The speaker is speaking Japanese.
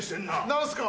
何すか？